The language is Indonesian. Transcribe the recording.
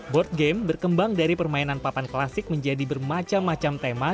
board game berkembang dari permainan papan klasik menjadi bermacam macam tema